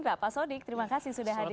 bapak pak sodik terima kasih sudah hadir